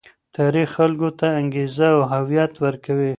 تاريخ خلګو ته انګېزه او هويت ورکوي.